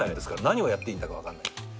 何をやっていいんだか分かんない。